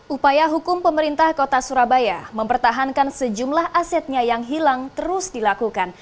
upaya hukum pemerintah kota surabaya mempertahankan sejumlah asetnya yang hilang terus dilakukan